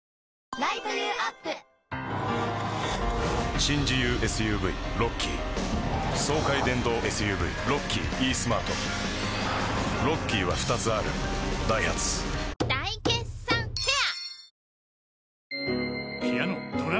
新自由ＳＵＶロッキー爽快電動ＳＵＶロッキーイースマートロッキーは２つあるダイハツ大決算フェア